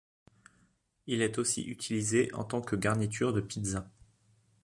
Il est aussi utilisé en tant que garniture de pizza.